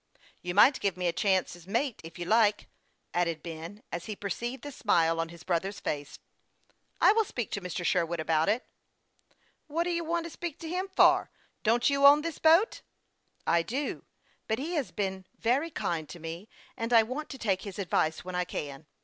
" You might give me a chance as mate, if you like," added Ben, as he perceived the smile on his brother's face. " I will speak to Mr. Sherwood about it." " What do you want to speak to him for ? Don't you own this boat ?" "I do ; but he has been very kind to me, and I want to take his advice when I can.